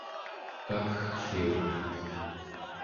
kakeggliuq